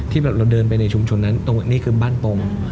ที่เราเดินไปในชุมชนนั้นตรงนี้คือบ้านปม